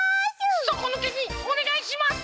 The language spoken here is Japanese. そこぬけにおねがいします！